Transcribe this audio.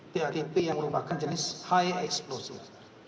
padp yang merupakan jenis high explosive